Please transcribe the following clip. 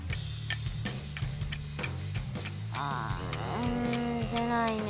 ああでないね。